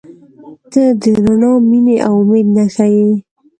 • ته د رڼا، مینې، او امید نښه یې.